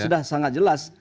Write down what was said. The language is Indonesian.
sudah sangat jelas